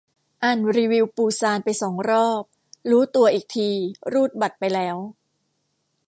อ่านรีวิวปูซานไปสองรอบ รู้ตัวอีกทีรูดบัตรไปแล้ว